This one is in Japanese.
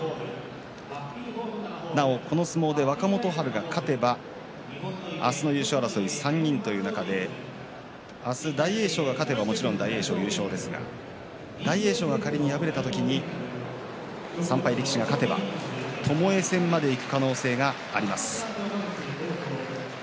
なお、この相撲で若元春が勝てば明日の優勝争い３人という中で明日、大栄翔が勝てばもちろん大栄翔の優勝ですが大栄翔が仮に敗れた時に３敗力士が勝てばともえ戦までいく可能性があります。